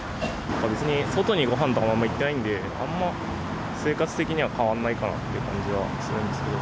別に外にごはんとかも行ってないんで、あんま、生活的には変わんないかなって感じはするんですけど。